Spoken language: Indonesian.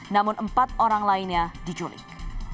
namun empat orang lainnya diculik